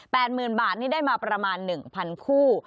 หมื่นบาทนี่ได้มาประมาณหนึ่งพันคู่